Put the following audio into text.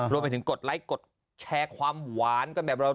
รวมไปถึงกดไลค์กดแชร์ความหวาน